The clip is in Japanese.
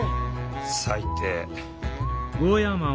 最低。